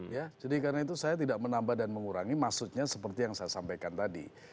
ya jadi karena itu saya tidak menambah dan mengurangi maksudnya seperti yang saya sampaikan tadi